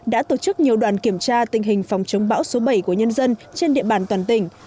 đã tổ chức nhiều đoàn kiểm tra tình hình phòng chống bão số bảy của nhân dân trên địa bàn toàn tỉnh